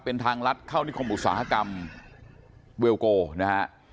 เป็นทางลัดเข้านิคมอุตสาหกรรมเวลโกนะฮะ